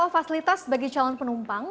fasilitas bagi calon penumpang